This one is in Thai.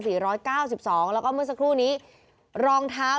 เก้าสิบสองแล้วก็เมื่อสักครู่นี้รองเท้า